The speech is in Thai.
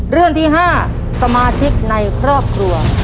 เรื่องที่๕สมาชิกในครอบครัว